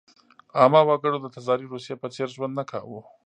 عامه وګړو د تزاري روسیې په څېر ژوند نه کاوه.